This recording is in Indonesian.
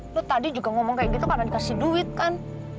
lu tadi juga ngomong kayak gitu karena dikasih duit kan